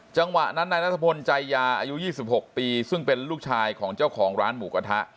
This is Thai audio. จังหวะนั้นนายนัทพลใจยาอายุ๒๖ปีซึ่งเป็นลูกชายของเจ้าของร้านหมูกระทะ